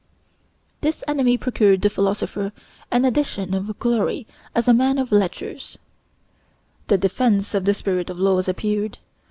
This enemy procured the philosopher an addition of glory as a man of letters: the 'Defense of the Spirit of Laws' appeared.